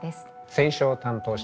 選書を担当します